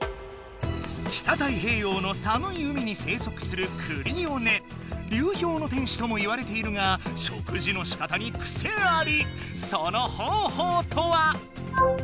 北太平洋のさむい海に生息する「流氷の天使」とも言われているが食事のしかたにクセあり！